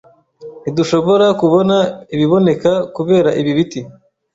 Ntidushobora kubona ibiboneka kubera ibi biti.